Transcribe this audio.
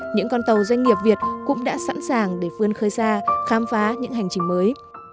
những con tàu doanh nghiệp việt cũng đã sẵn sàng để vươn khơi xa khám phá những hành trình mới